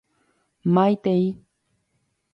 Maitei.